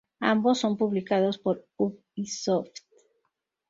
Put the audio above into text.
Ambos son publicados por Ubisoft.